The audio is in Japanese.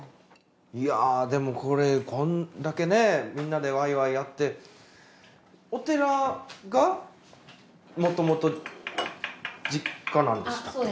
いやぁでもこれこんだけねみんなでワイワイやってお寺がもともと実家なんですか？